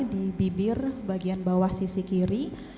di bibir bagian bawah sisi kiri